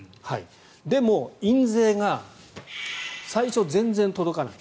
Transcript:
でも、印税が最初全然届かない。